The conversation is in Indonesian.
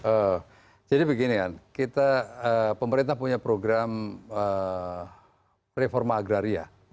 oh jadi beginian kita pemerintah punya program reforma agraria